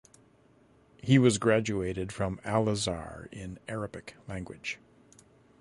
He was Graduated from Al Azhar in Arabic language.